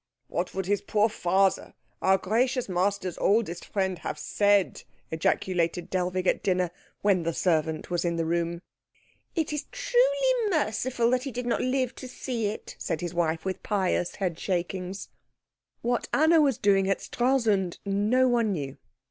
"What would his poor father, our gracious master's oldest friend, have said!" ejaculated Dellwig at dinner, when the servant was in the room. "It is truly merciful that he did not live to see it," said his wife, with pious head shakings. What Anna was doing at Stralsund, no one knew.